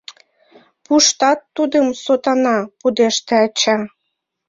— Пуштат тудым, сотанам! — пудеште ача.